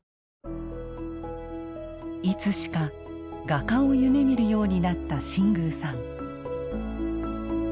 いつしか画家を夢みるようになった新宮さん。